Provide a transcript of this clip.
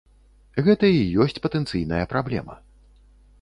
Гэта і ёсць патэнцыйная праблема.